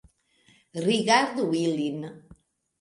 Rigardu ilin